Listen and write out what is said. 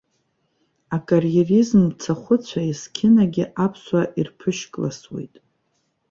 Акариеризм мцахәыцәа есқьынагьы аԥсуаа ирԥышькласуеит.